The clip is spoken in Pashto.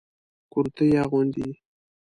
کرتي اغوندئ